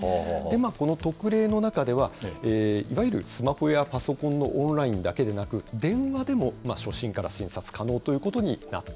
この特例の中では、いわゆるスマホやパソコンのオンラインだけでなく、電話でも初診から診察可能